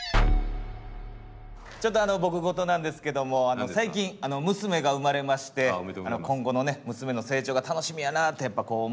ちょっと僕事なんですけども最近娘が生まれまして今後のね娘の成長が楽しみやなってやっぱこう思いますね。